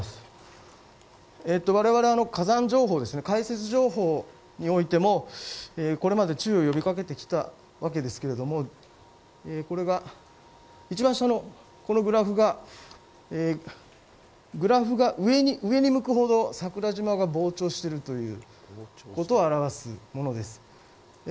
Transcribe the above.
われわれは解説情報においてもこれまで注意を呼び掛けてきたわけですが一番下のこのグラフが上に向くほど桜島が膨張しているということを表すものです。